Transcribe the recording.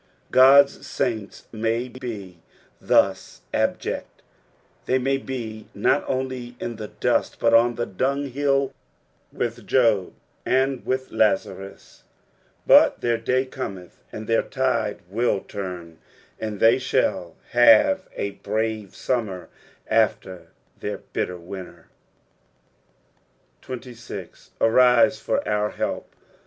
God's saints may be thus abject, they may be nut only in the dust, but un the dunghill with Job and Lazarus, but their da; cometh, and their tide will turn, and they shall have a brave summer after their bitter winter. 36. "ArUe for our kelp."